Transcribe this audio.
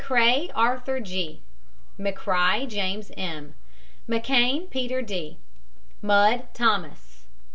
McCRAE, ARTHUR G. McCRIE, JAMES M. McKANE, PETER D. MUDD, THOMAS.